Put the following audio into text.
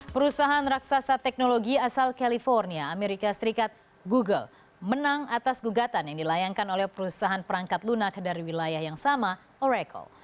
perusahaan raksasa teknologi asal california amerika serikat google menang atas gugatan yang dilayangkan oleh perusahaan perangkat lunak dari wilayah yang sama oracle